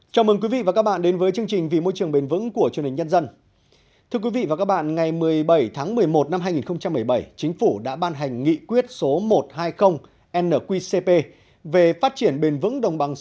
chào mừng quý vị và các bạn đến với chương trình vì môi trường bền vững của chương trình nhân dân